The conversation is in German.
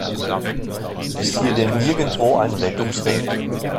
Ist hier denn nirgendwo ein Rettungsring?